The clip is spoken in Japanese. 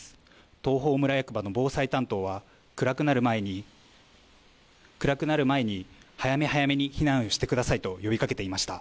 東峰村役場の防災担当は暗くなる前に早め早めに避難してくださいと呼びかけていました。